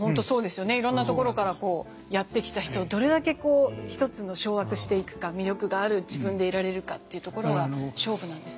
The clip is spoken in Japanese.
いろんなところからやって来た人をどれだけ一つの掌握していくか魅力がある自分でいられるかっていうところが勝負なんですね。